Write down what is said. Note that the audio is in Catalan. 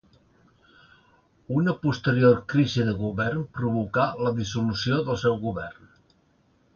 Una posterior crisi de govern provocà la dissolució del seu govern.